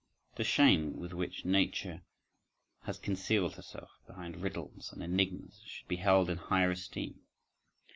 … The shame with which Nature has concealed herself behind riddles and enigmas should be held in higher esteem.